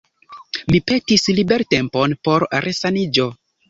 Mi petis libertempon por resaniĝo.